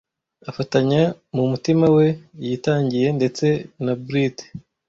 afatanya mu mutima we yitangiye ndetse na brute